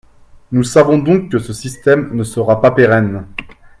Nous savons donc que ce système ne sera pas pérenne.